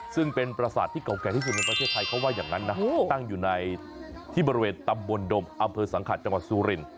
ซึ่งเป็นประสาทที่เก่าแก่ที่สุดในประเทศไทยเขาว่าอย่างนั้นนะตั้งอยู่ในที่บริเวณตำบลดมอำเภอสังขัดจังหวัดสุริน